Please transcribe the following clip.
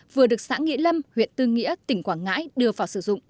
vừa được xã nghĩa lâm huyện tư nghĩa tỉnh quảng ngãi đưa ra